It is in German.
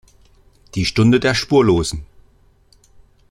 Die Stunde der Spurlosen".